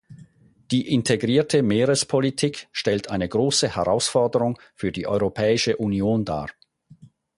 Die integrierte Meerespolitik stellt eine große Herausforderung für die Europäische Union dar.